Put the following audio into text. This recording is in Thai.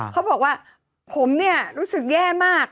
เขาบอกว่าผมเนี่ยรู้สึกแย่มาก